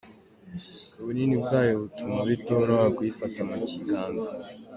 Ubunini bwayo butuma bitoroha kuyifata mu kiganza.